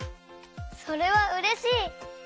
それはうれしい！